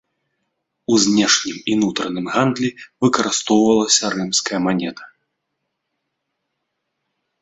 У знешнім і нутраным гандлі выкарыстоўвалася рымская манета.